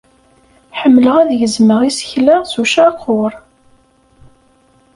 Ḥemmleɣ ad gezmeɣ isekla s ucaqur.